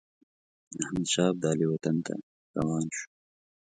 احمدشاه ابدالي وطن ته روان شو.